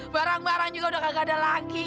barang barang juga udah gak ada lagi